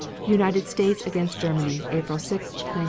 United States against Germany, April 6, 1917.